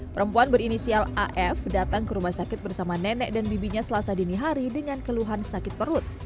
perempuan berinisial af datang ke rumah sakit bersama nenek dan bibinya selasa dini hari dengan keluhan sakit perut